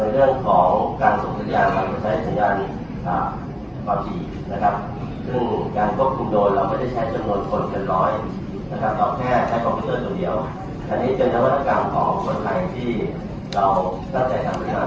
เราได้เพิ่งสอบคุณเป็นหลักนะครับสุดใหญ่และที่เล่นนะครับ